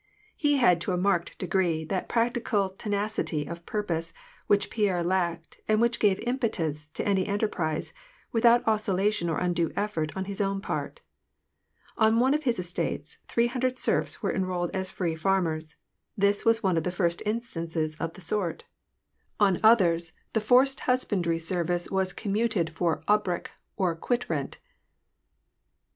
He had to a marked degree that practical tenacity of pur pose which Pierre lacked, and w^hich gave impetus to any en terprise, without oscillation or undue effort on his own part On one of his estates, the three hundred serfs were enrolled as free farmers ; this was one of the fii*st instances of the sort : 164 WAR AND PEACE, 166 OD others, the forced husbandry service was commuted for obrokj or quit rent.